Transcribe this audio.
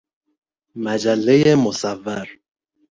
مجله مصور